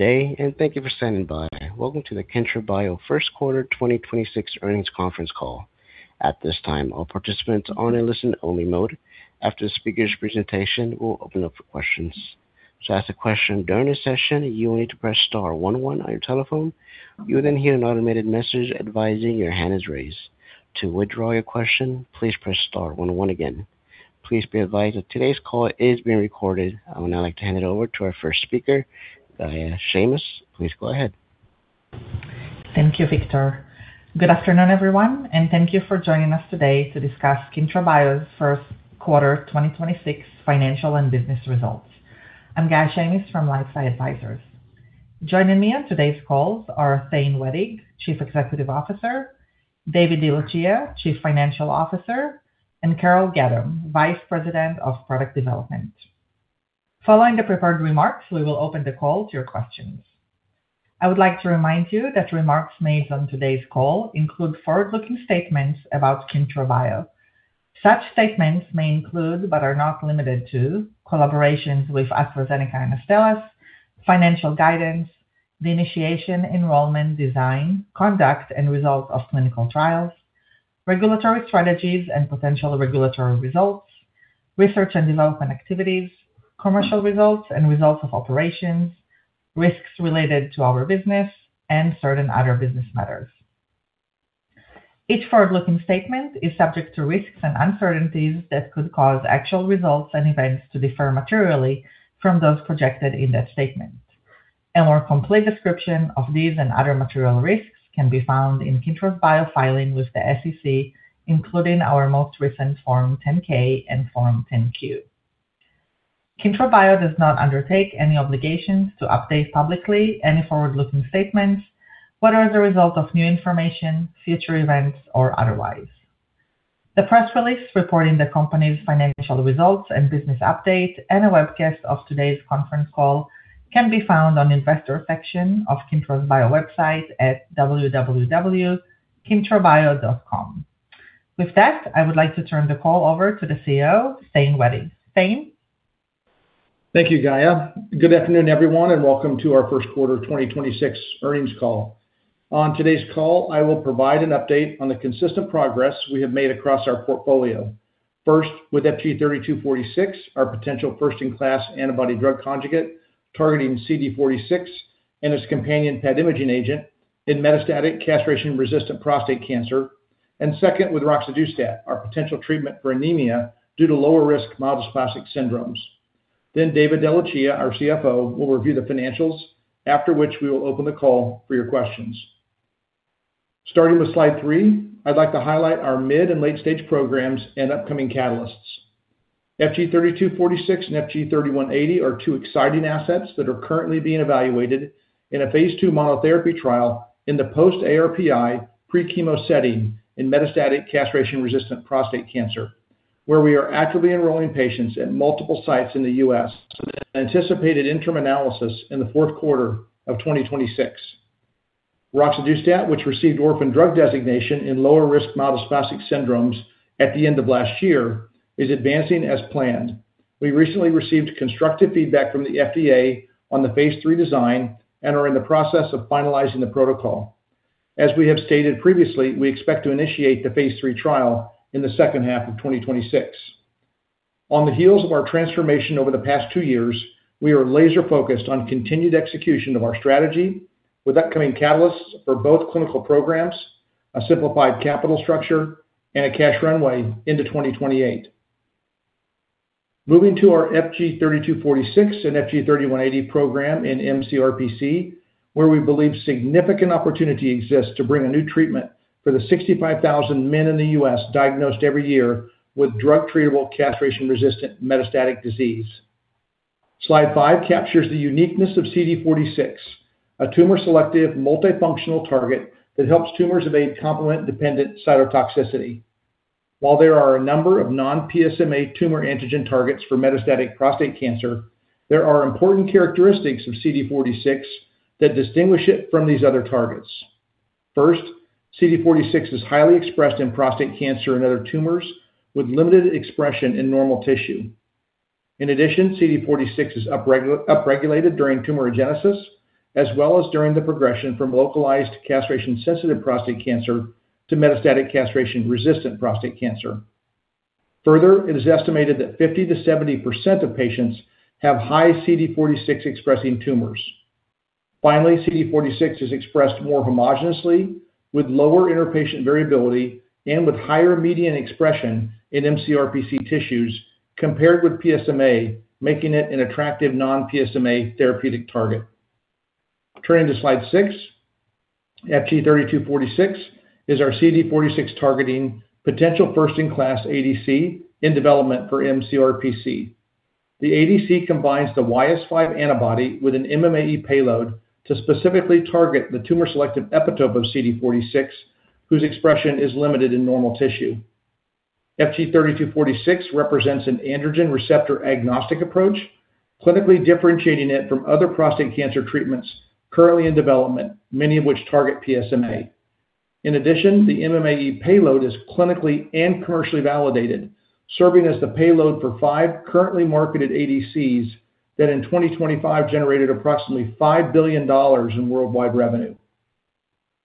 Day, and thank you for standing by. Welcome to the Kyntra Bio First Quarter 2026 Earnings Conference Call. At this time, all participants are in listen only mode. After the speaker's presentation, we'll open up for questions. To ask a question during this session, you will need to press star one one on your telephone. You'll then hear an automated message advising your hand is raised. To withdraw your question, please press star one one again. Please be advised that today's call is being recorded. I would now like to hand it over to our first speaker, Gaia Shamis. Please go ahead. Thank you, Victor. Good afternoon, everyone, and thank you for joining us today to discuss Kyntra Bio's first quarter 2026 financial and business results. I'm Gaia Shamis from LifeSci Advisors. Joining me on today's call are Thane Wettig, Chief Executive Officer, David DeLucia, Chief Financial Officer, and Carol Gaddum, Vice President of Product Development. Following the prepared remarks, we will open the call to your questions. I would like to remind you that remarks made on today's call include forward-looking statements about Kyntra Bio. Such statements may include but are not limited to collaborations with AstraZeneca and Astellas, financial guidance, the initiation, enrollment, design, conduct and results of clinical trials, regulatory strategies and potential regulatory results, research and development activities, commercial results and results of operations, risks related to our business and certain other business matters. Each forward-looking statement is subject to risks and uncertainties that could cause actual results and events to differ materially from those projected in that statement. A more complete description of these and other material risks can be found in Kyntra Bio filing with the SEC, including our most recent Form 10-K and Form 10-Q. Kyntra Bio does not undertake any obligations to update publicly any forward-looking statements, whether as a result of new information, future events or otherwise. The press release reporting the company's financial results and business update and a webcast of today's conference call can be found on investor section of Kyntra Bio website at www.kyntrabio.com. With that, I would like to turn the call over to the CEO, Thane Wettig. Thane. Thank you, Gaia. Good afternoon, everyone, and welcome to our first quarter 2026 earnings call. On today's call, I will provide an update on the consistent progress we have made across our portfolio. First, with FG-3246, our potential first-in-class antibody-drug conjugate targeting CD46 and its companion PET imaging agent in metastatic castration-resistant prostate cancer. Second, with roxadustat, our potential treatment for anemia due to lower risk myelodysplastic syndromes. David DeLucia, our CFO, will review the financials, after which we will open the call for your questions. Starting with slide three, I'd like to highlight our mid and late-stage programs and upcoming catalysts. FG-3246 and FG-3180 are two exciting assets that are currently being evaluated in a phase II monotherapy trial in the post ARPI pre-chemo setting in metastatic castration-resistant prostate cancer, where we are actively enrolling patients at multiple sites in the U.S. with anticipated interim analysis in the fourth quarter of 2026. roxadustat, which received orphan drug designation in lower risk myelodysplastic syndromes at the end of last year, is advancing as planned. We recently received constructive feedback from the FDA on the phase III design and are in the process of finalizing the protocol. As we have stated previously, we expect to initiate the phase III trial in the second half of 2026. On the heels of our transformation over the past two years, we are laser-focused on continued execution of our strategy with upcoming catalysts for both clinical programs, a simplified capital structure, and a cash runway into 2028. Moving to our FG-3246 and FG-3180 program in mCRPC, where we believe significant opportunity exists to bring a new treatment for the 65,000 men in the U.S. diagnosed every year with drug-treatable castration-resistant metastatic disease. Slide five captures the uniqueness of CD46, a tumor-selective multifunctional target that helps tumors evade complement-dependent cytotoxicity. While there are a number of non-PSMA tumor antigen targets for metastatic prostate cancer, there are important characteristics of CD46 that distinguish it from these other targets. First, CD46 is highly expressed in prostate cancer and other tumors with limited expression in normal tissue. In addition, CD46 is upregulated during tumor genesis as well as during the progression from localized castration-sensitive prostate cancer to metastatic castration-resistant prostate cancer. Further, it is estimated that 50%-70% of patients have high CD46 expressing tumors. Finally, CD46 is expressed more homogeneously with lower interpatient variability and with higher median expression in mCRPC tissues compared with PSMA, making it an attractive non-PSMA therapeutic target. Turning to slide six, FG-3246 is our CD46 targeting potential first-in-class ADC in development for mCRPC. The ADC combines the YS5 antibody with an MMAE payload to specifically target the tumor-selective epitope of CD46, whose expression is limited in normal tissue. FG-3246 represents an androgen receptor agnostic approach, clinically differentiating it from other prostate cancer treatments currently in development, many of which target PSMA. In addition, the MMAE payload is clinically and commercially validated, serving as the payload for five currently marketed ADCs that in 2025 generated approximately $5 billion in worldwide revenue.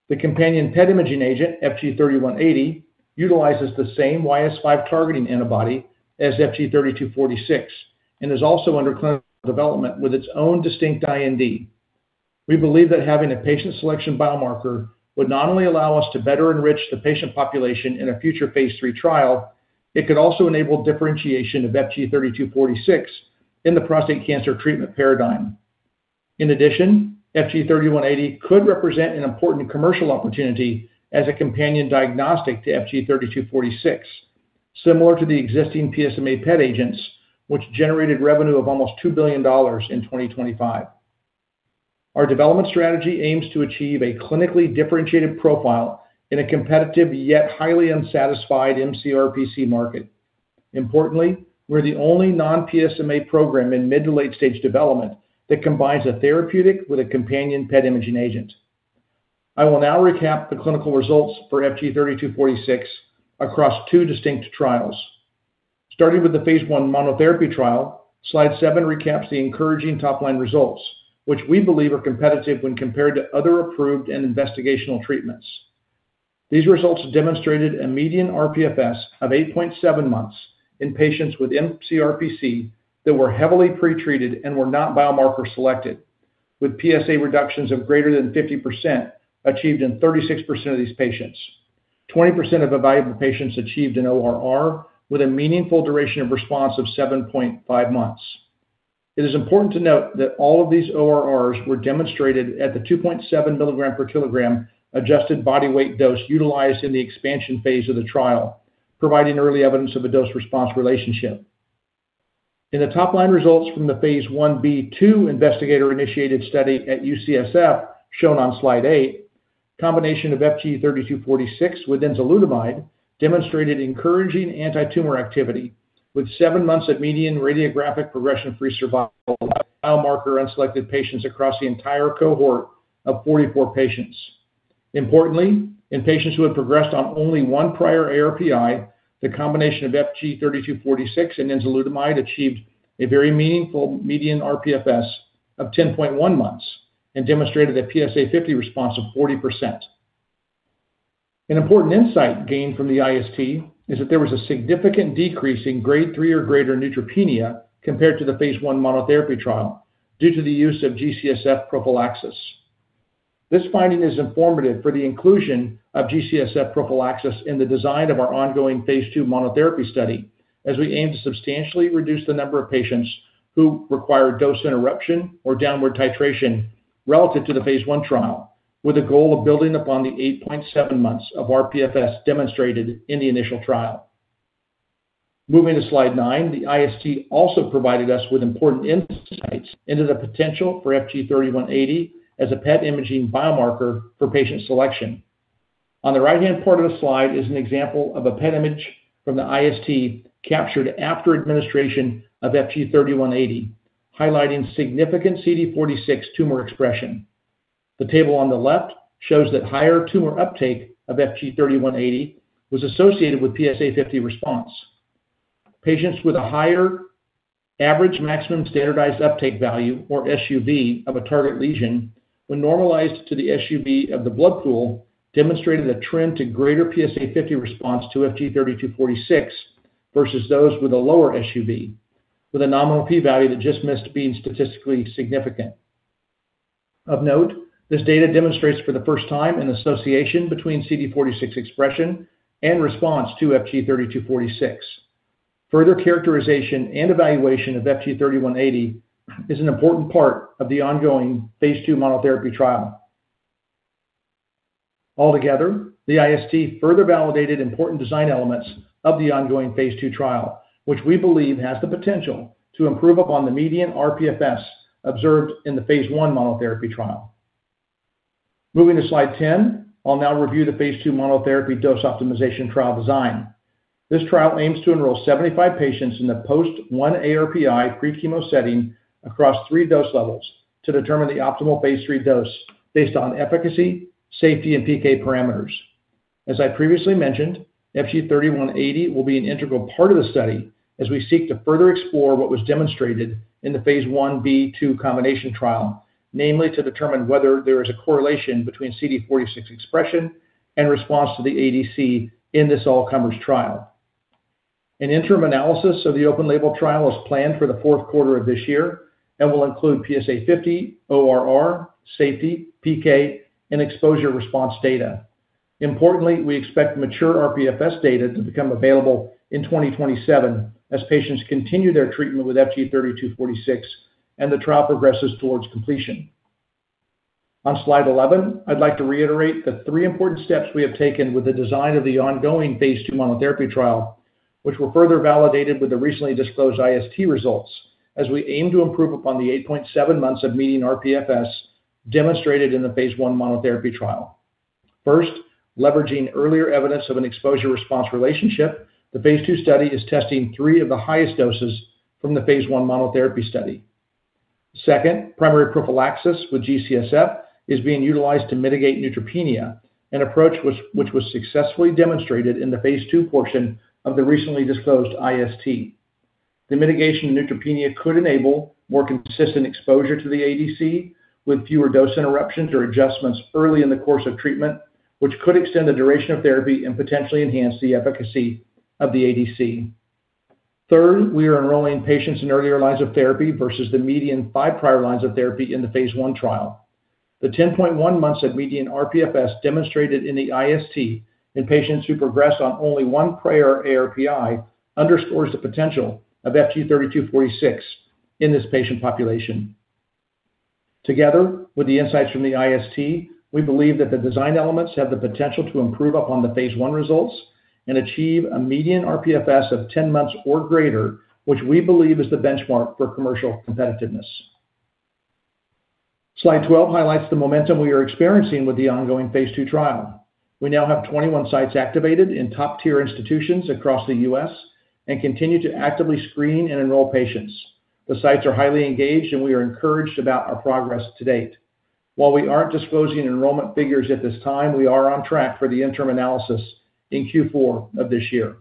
The companion PET imaging agent, FG-3180, utilizes the same YS5 targeting antibody as FG-3246 and is also under clinical development with its own distinct IND. We believe that having a patient selection biomarker would not only allow us to better enrich the patient population in a future phase III trial, it could also enable differentiation of FG-3246 in the prostate cancer treatment paradigm. FG-3180 could represent an important commercial opportunity as a companion diagnostic to FG-3246, similar to the existing PSMA PET agents, which generated revenue of almost $2 billion in 2025. Our development strategy aims to achieve a clinically differentiated profile in a competitive yet highly unsatisfied mCRPC market. Importantly, we're the only non-PSMA program in mid to late-stage development that combines a therapeutic with a companion PET imaging agent. I will now recap the clinical results for FG-3246 across two distinct trials. Starting with the phase I monotherapy trial, slide seven recaps the encouraging top-line results, which we believe are competitive when compared to other approved and investigational treatments. These results demonstrated a median rPFS of 8.7 months in patients with mCRPC that were heavily pretreated and were not biomarker selected, with PSA reductions of greater than 50% achieved in 36% of these patients. 20% of evaluable patients achieved an ORR with a meaningful duration of response of 7.5 months. It is important to note that all of these ORRs were demonstrated at the 2.7 mg per kg adjusted body weight dose utilized in the expansion phase of the trial, providing early evidence of a dose-response relationship. In the top-line results from the phase I-B/II investigator-initiated study at UCSF, shown on slide eight, combination of FG-3246 with enzalutamide demonstrated encouraging antitumor activity with seven months of median radiographic progression-free survival biomarker unselected patients across the entire cohort of 44 patients. Importantly, in patients who had progressed on only one prior ARPI, the combination of FG-3246 and enzalutamide achieved a very meaningful median rPFS of 10.1 months and demonstrated a PSA 50 response of 40%. An important insight gained from the IST is that there was a significant decrease in grade three or greater neutropenia compared to the phase I monotherapy trial due to the use of G-CSF prophylaxis. This finding is informative for the inclusion of G-CSF prophylaxis in the design of our ongoing phase II monotherapy study as we aim to substantially reduce the number of patients who require dose interruption or downward titration relative to the phase I trial with a goal of building upon the 8.7 months of rPFS demonstrated in the initial trial. Moving to slide nine, the IST also provided us with important insights into the potential for FG-3180 as a PET imaging biomarker for patient selection. On the right-hand part of the slide is an example of a PET image from the IST captured after administration of FG-3180, highlighting significant CD46 tumor expression. The table on the left shows that higher tumor uptake of FG-3180 was associated with PSA 50 response. Patients with a higher average maximum standardized uptake value or SUV of a target lesion when normalized to the SUV of the blood pool demonstrated a trend to greater PSA 50 response to FG-3246 versus those with a lower SUV, with a nominal P value that just missed being statistically significant. Of note, this data demonstrates for the first time an association between CD46 expression and response to FG-3246. Further characterization and evaluation of FG-3180 is an important part of the ongoing phase II monotherapy trial. Altogether, the IST further validated important design elements of the ongoing phase II trial, which we believe has the potential to improve upon the median rPFS observed in the phase I monotherapy trial. Moving to slide 10, I'll now review the phase II monotherapy dose optimization trial design. This trial aims to enroll 75 patients in the post-1 ARPI pre-chemo setting across three dose levels to determine the optimal phase III dose based on efficacy, safety, and PK parameters. As I previously mentioned, FG-3180 will be an integral part of the study as we seek to further explore what was demonstrated in the phase I-B/II combination trial, namely, to determine whether there is a correlation between CD46 expression and response to the ADC in this all-comers trial. An interim analysis of the open label trial is planned for the fourth quarter of this year and will include PSA 50, ORR, safety, PK, and exposure response data. Importantly, we expect mature rPFS data to become available in 2027 as patients continue their treatment with FG-3246 and the trial progresses towards completion. On slide 11, I'd like to reiterate the three important steps we have taken with the design of the ongoing phase II monotherapy trial, which were further validated with the recently disclosed IST results as we aim to improve upon the 8.7 months of median rPFS demonstrated in the phase I monotherapy trial. Leveraging earlier evidence of an exposure response relationship, the phase II study is testing three of the highest doses from the phase I monotherapy study. Second, primary prophylaxis with G-CSF is being utilized to mitigate neutropenia, an approach which was successfully demonstrated in the phase II portion of the recently disclosed IST. The mitigation of neutropenia could enable more consistent exposure to the ADC with fewer dose interruptions or adjustments early in the course of treatment, which could extend the duration of therapy and potentially enhance the efficacy of the ADC. Third, we are enrolling patients in earlier lines of therapy versus the median five prior lines of therapy in the phase I trial. The 10.1 months of median rPFS demonstrated in the IST in patients who progress on only one prior ARPI underscores the potential of FG-3246 in this patient population. Together, with the insights from the IST, we believe that the design elements have the potential to improve upon the phase I results and achieve a median rPFS of 10 months or greater, which we believe is the benchmark for commercial competitiveness. Slide 12 highlights the momentum we are experiencing with the ongoing phase II trial. We now have 21 sites activated in top-tier institutions across the U.S. and continue to actively screen and enroll patients. The sites are highly engaged, and we are encouraged about our progress to date. While we aren't disclosing enrollment figures at this time, we are on track for the interim analysis in Q4 of this year.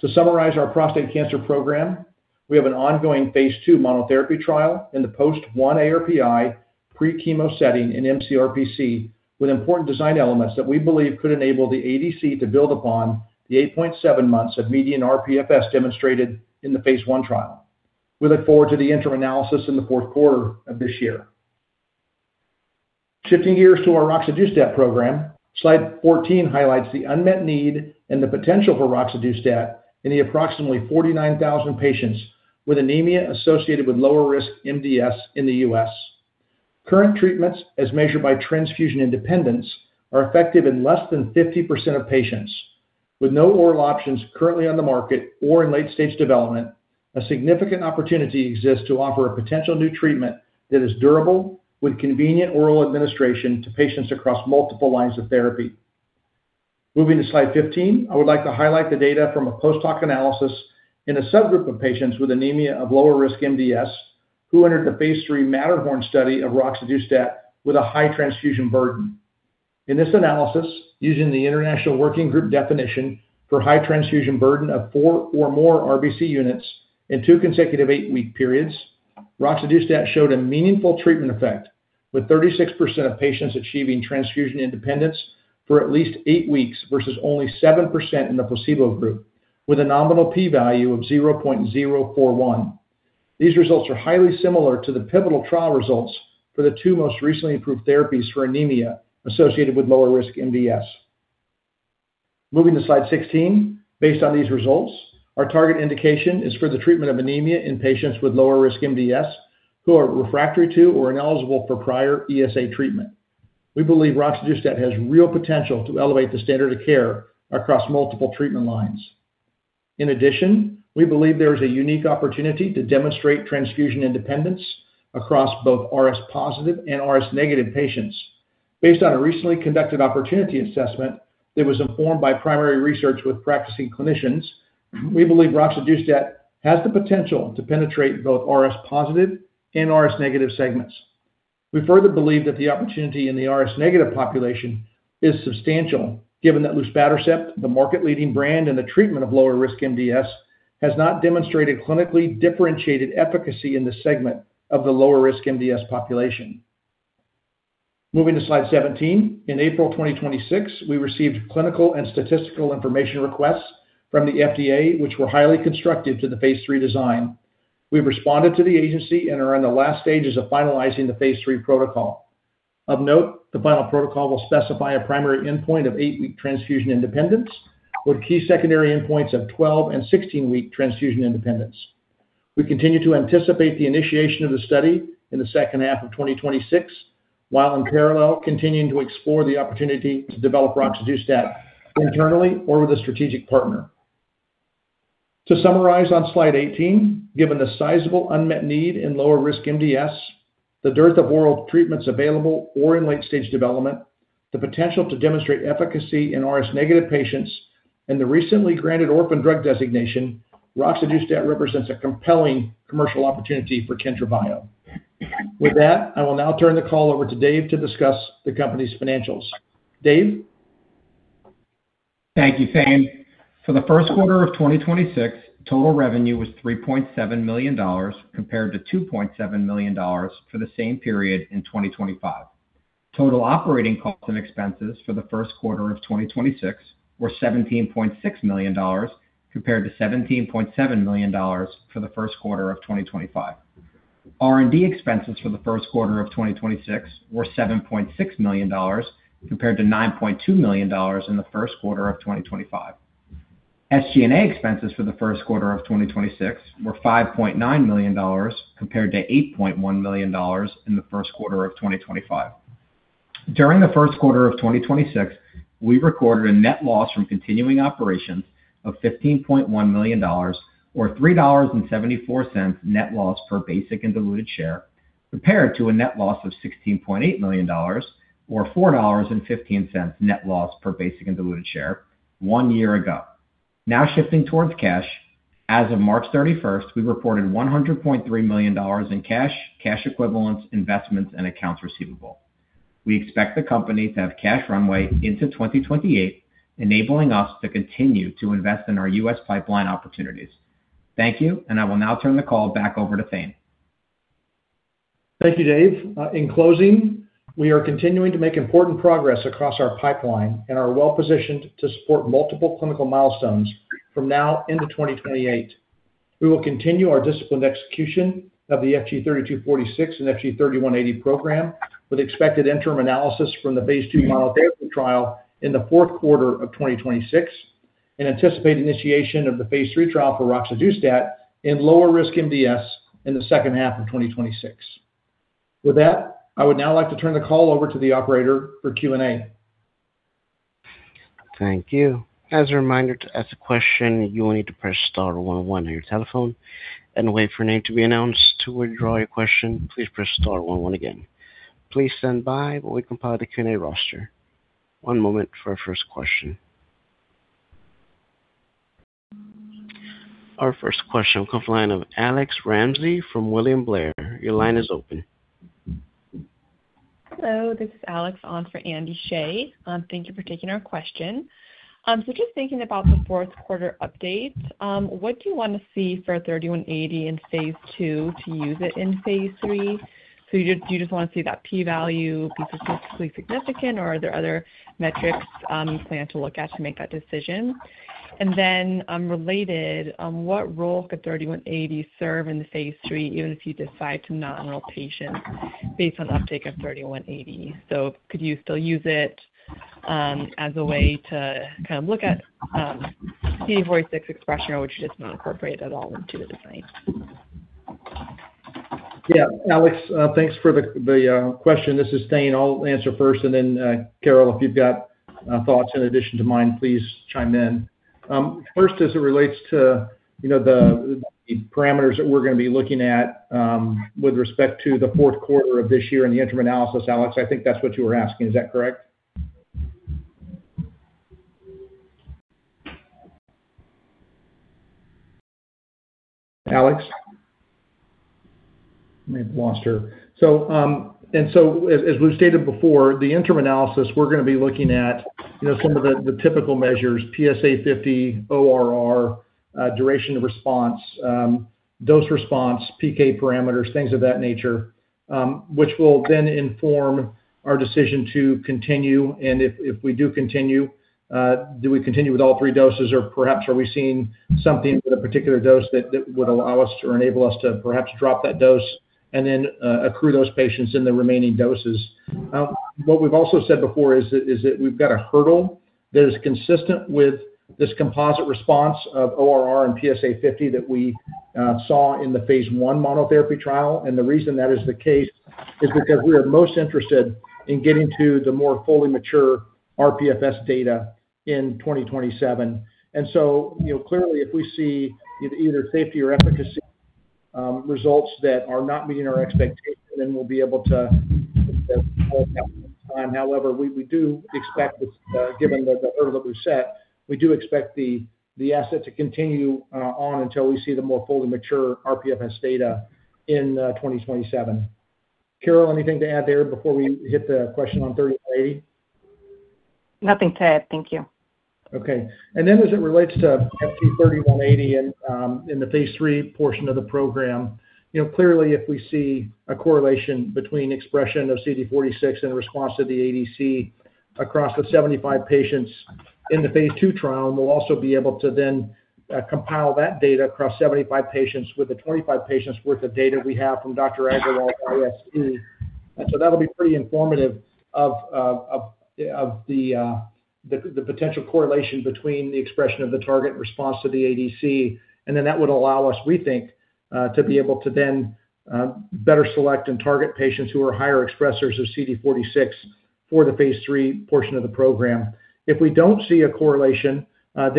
To summarize our prostate cancer program, we have an ongoing phase II monotherapy trial in the post-1 ARPI pre-chemo setting in mCRPC with important design elements that we believe could enable the ADC to build upon the 8.7 months of median rPFS demonstrated in the phase I trial. We look forward to the interim analysis in the fourth quarter of this year. Shifting gears to our roxadustat program, slide 14 highlights the unmet need and the potential for roxadustat in the approximately 49,000 patients with anemia associated with lower risk MDS in the U.S. Current treatments as measured by transfusion independence, are effective in less than 50% of patients. With no oral options currently on the market or in late-stage development, a significant opportunity exists to offer a potential new treatment that is durable with convenient oral administration to patients across multiple lines of therapy. Moving to slide 15, I would like to highlight the data from a post-hoc analysis in a subgroup of patients with anemia of lower risk MDS who entered the phase III MATTERHORN study of roxadustat with a high transfusion burden. In this analysis, using the International Working Group definition for high transfusion burden of four or more RBC units in two consecutive eight-week periods, roxadustat showed a meaningful treatment effect, with 36% of patients achieving transfusion independence for at least eight weeks versus only 7% in the placebo group, with a nominal P value of 0.041. These results are highly similar to the pivotal trial results for the two most recently approved therapies for anemia associated with lower risk MDS. Moving to slide 16. Based on these results, our target indication is for the treatment of anemia in patients with lower risk MDS who are refractory to or ineligible for prior ESA treatment. We believe roxadustat has real potential to elevate the standard of care across multiple treatment lines. In addition, we believe there is a unique opportunity to demonstrate transfusion independence across both RS positive and RS negative patients. Based on a recently conducted opportunity assessment that was informed by primary research with practicing clinicians, we believe roxadustat has the potential to penetrate both RS positive and RS negative segments. We further believe that the opportunity in the RS negative population is substantial, given that luspatercept, the market leading brand in the treatment of lower risk MDS, has not demonstrated clinically differentiated efficacy in the segment of the lower risk MDS population. Moving to slide 17. In April 2026, we received clinical and statistical information requests from the FDA, which were highly constructive to the phase III design. We've responded to the agency and are in the last stages of finalizing the phase III protocol. Of note, the final protocol will specify a primary endpoint of eight-week transfusion independence, with key secondary endpoints of 12 and 16-week transfusion independence. We continue to anticipate the initiation of the study in the second half of 2026, while in parallel continuing to explore the opportunity to develop roxadustat internally or with a strategic partner. To summarize on slide 18, given the sizable unmet need in lower risk MDS, the dearth of oral treatments available or in late-stage development, the potential to demonstrate efficacy in RS negative patients, and the recently granted orphan drug designation, roxadustat represents a compelling commercial opportunity for Kyntra Bio. With that, I will now turn the call over to Dave to discuss the company's financials. Dave? Thank you, Thane. For the first quarter of 2026, total revenue was $3.7 million compared to $2.7 million for the same period in 2025. Total operating costs and expenses for the first quarter of 2026 were $17.6 million compared to $17.7 million for the first quarter of 2025. R&D expenses for the first quarter of 2026 were $7.6 million compared to $9.2 million in the first quarter of 2025. SG&A expenses for the first quarter of 2026 were $5.9 million compared to $8.1 million in the first quarter of 2025. During the first quarter of 2026, we recorded a net loss from continuing operations of $15.1 million or $3.74 net loss per basic and diluted share, compared to a net loss of $16.8 million or $4.15 net loss per basic and diluted share one year ago. Shifting towards cash. As of March 31st, we reported $100.3 million in cash equivalents, investments, and accounts receivable. We expect the company to have cash runway into 2028, enabling us to continue to invest in our U.S. pipeline opportunities. Thank you, and I will now turn the call back over to Thane. Thank you, Dave. In closing, we are continuing to make important progress across our pipeline and are well-positioned to support multiple clinical milestones from now into 2028. We will continue our disciplined execution of the FG-3246 and FG-3180 program with expected interim analysis from the phase II mono-therapy trial in the fourth quarter of 2026 and anticipate initiation of the phase III trial for roxadustat in lower risk MDS in the second half of 2026. With that, I would now like to turn the call over to the operator for Q&A. Thank you. As a reminder, to ask a question, you will need to press star one one on your telephone and wait for a name to be announced. To withdraw your question, please press star one one again. Please stand by while we compile the Q&A roster. One moment for our first question. Our first question comes from the line of Alex Ramsey from William Blair. Your line is open. Hello, this is Alex on for Andy Hsieh. Thank you for taking our question. Just thinking about the fourth quarter updates, what do you want to see for FG-3180 in phase II to use it in phase III? You just want to see that P value be statistically significant or are there other metrics you plan to look at to make that decision? Related, what role could FG-3180 serve in the phase III, even if you decide to not enroll patients based on uptake of FG-3180? Could you still use it as a way to kind of look at CD46 expression, or would you just not incorporate it at all into the design? Yeah. Alex, thanks for the question. This is Thane. I'll answer first and then Carol, if you've got thoughts in addition to mine, please chime in. First, as it relates to, you know, the parameters that we're gonna be looking at, with respect to the fourth quarter of this year and the interim analysis, Alex, I think that's what you were asking. Is that correct? Alex? Maybe I lost her. As we've stated before, the interim analysis, we're gonna be looking at, you know, some of the typical measures, PSA 50, ORR, duration of response, dose response, PK parameters, things of that nature, which will then inform our decision to continue. If we do continue, do we continue with all three doses or perhaps are we seeing something with a particular dose that would allow us or enable us to perhaps drop that dose and then accrue those patients in the remaining doses. What we've also said before is that we've got a hurdle that is consistent with this composite response of ORR and PSA 50 that we saw in the phase I monotherapy trial. The reason that is the case is because we are most interested in getting to the more fully mature rPFS data in 2027. You know, clearly, if we see either safety or efficacy results that are not meeting our expectations, then we'll be able to time. However, we do expect this given the hurdle that we've set, we do expect the asset to continue on until we see the more fully mature rPFS data in 2027. Carol, anything to add there before we hit the question on 3180? Nothing to add. Thank you. Okay. As it relates to FG-3180 and, in the phase III portion of the program, you know, clearly if we see a correlation between expression of CD46 and the response to the ADC across the 75 patients in the phase II trial, and we'll also be able to then compile that data across 75 patients with the 25 patients worth of data we have from Dr. Aggarwal's IST. That'll be pretty informative of the potential correlation between the expression of the target and response to the ADC. That would allow us, we think, to be able to then better select and target patients who are higher expressers of CD46 for the phase III portion of the program. If we don't see a correlation,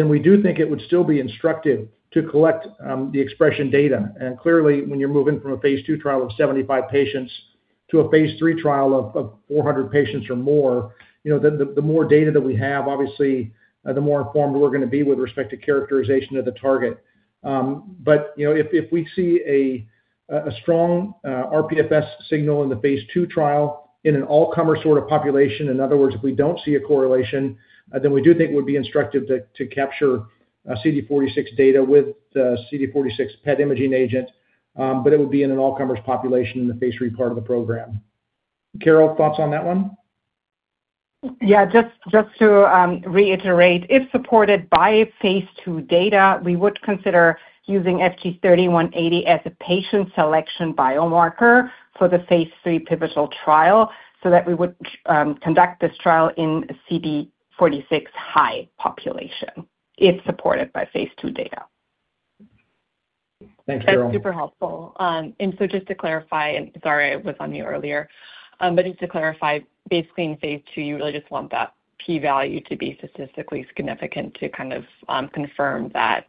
we do think it would still be instructive to collect the expression data. Clearly, when you're moving from a phase II trial of 75 patients to a phase III trial of 400 patients or more, you know, the more data that we have, obviously, the more informed we're gonna be with respect to characterization of the target. You know, if we see a strong rPFS signal in the phase II trial in an all-comer sort of population, in other words, if we don't see a correlation, we do think it would be instructive to capture CD46 data with the CD46 PET imaging agent. It would be in an all-comers population in the phase III part of the program. Carol, thoughts on that one? Just to reiterate, if supported by phase II data, we would consider using FG-3180 as a patient selection biomarker for the phase III pivotal trial so that we would conduct this trial in a CD46 high population if supported by phase II data. Thanks, Carol. That's super helpful. Just to clarify, and sorry I was on mute earlier. Just to clarify, basically in phase II, you really just want that P value to be statistically significant to kind of confirm that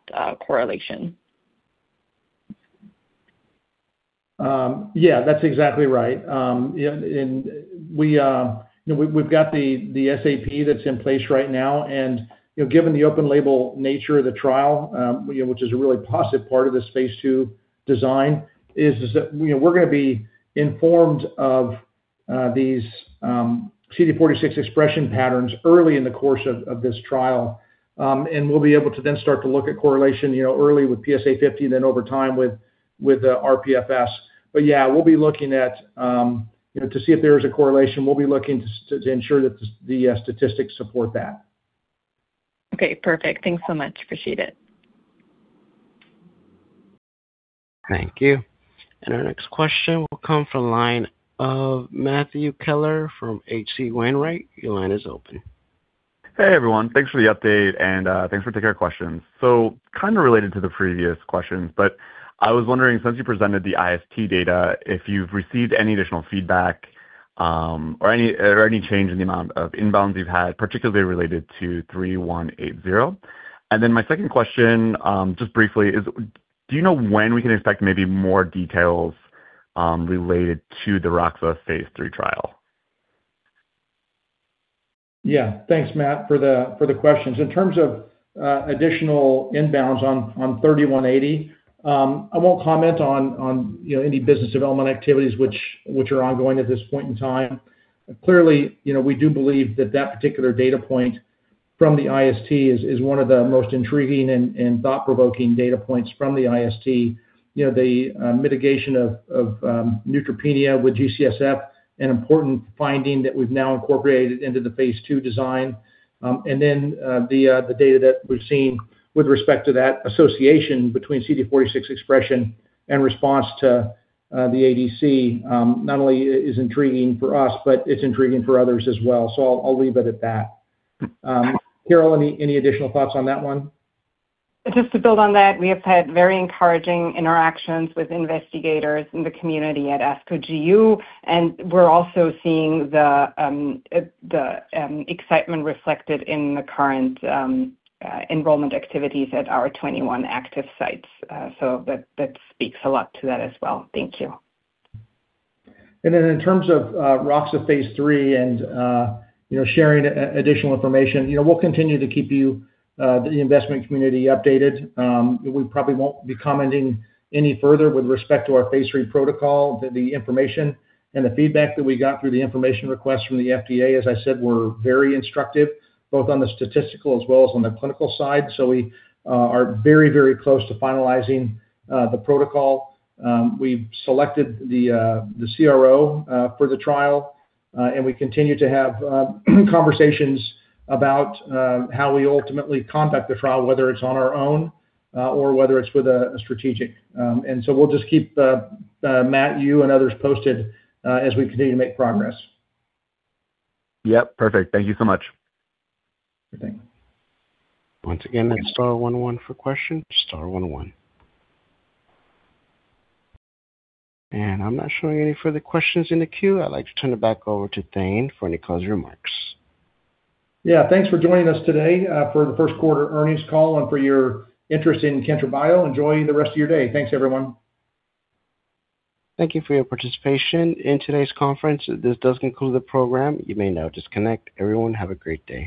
correlation? Yeah, that's exactly right. Yeah, you know, we've got the SAP that's in place right now. You know, given the open label nature of the trial, you know, which is a really positive part of this phase II design, is that, you know, we're gonna be informed of these CD46 expression patterns early in the course of this trial. We'll be able to then start to look at correlation, you know, early with PSA 50, then over time with rPFS. Yeah, we'll be looking at, you know, to see if there is a correlation. We'll be looking to ensure that the statistics support that. Okay, perfect. Thanks so much. Appreciate it. Thank you. Our next question will come from line of Matthew Keller from H.C. Wainwright & Co. Your line is open. Hey, everyone. Thanks for the update, and thanks for taking our questions. Kinda related to the previous questions, but I was wondering, since you presented the IST data, if you've received any additional feedback, or any change in the amount of inbounds you've had, particularly related to FG-3180. My second question, just briefly, is do you know when we can expect maybe more details related to the roxadustat phase III trial? Yeah. Thanks, Matt, for the questions. In terms of additional inbounds on FG-3180, I won't comment on, you know, any business development activities which are ongoing at this point in time. Clearly, you know, we do believe that that particular data point from the IST is one of the most intriguing and thought-provoking data points from the IST. You know, the mitigation of neutropenia with G-CSF, an important finding that we've now incorporated into the phase II design. Then the data that we've seen with respect to that association between CD46 expression and response to the ADC, not only is intriguing for us, but it's intriguing for others as well. I'll leave it at that. Carol, any additional thoughts on that one? Just to build on that, we have had very encouraging interactions with investigators in the community at ASCO GU. We're also seeing the excitement reflected in the current enrollment activities at our 21 active sites. That speaks a lot to that as well. Thank you. In terms of roxadustat phase III and, you know, sharing additional information, you know, we'll continue to keep you, the investment community updated. We probably won't be commenting any further with respect to our phase III protocol. The information and the feedback that we got through the information request from the FDA, as I said, were very instructive, both on the statistical as well as on the clinical side. We are very, very close to finalizing the protocol. We've selected the CRO for the trial, and we continue to have conversations about how we ultimately conduct the trial, whether it's on our own or whether it's with a strategic. We'll just keep Matt, you and others posted as we continue to make progress. Yep, perfect. Thank you so much. Okay. Once again, that's star one one for questions, star one one. I'm not showing any further questions in the queue. I'd like to turn it back over to Thane for any closing remarks. Yeah. Thanks for joining us today for the first quarter earnings call and for your interest in Kyntra Bio. Enjoy the rest of your day. Thanks, everyone. Thank you for your participation in today's conference. This does conclude the program. You may now disconnect. Everyone, have a great day.